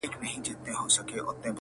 څومره په جرئت ویلي دي